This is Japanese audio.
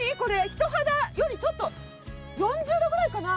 人肌より、ちょっと４０度くらいかな。